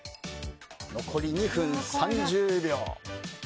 残り２分３０秒。